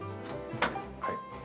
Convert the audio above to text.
はい。